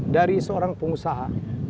dari seorang pengusaha